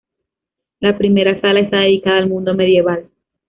La primera sala está dedicada al mundo medieval.